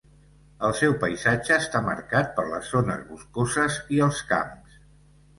El seu paisatge està marcat per les zones boscoses i els camps.